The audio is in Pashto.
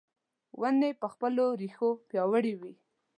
ونې په خپلو رېښو پیاوړې وي .